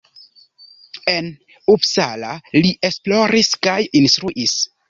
En Uppsala li esploris kaj instruis.